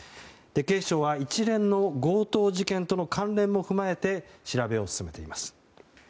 警視庁は一連の強盗事件との関連も踏まえて調べを進めています。